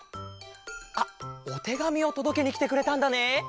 あっおてがみをとどけにきてくれたんだね。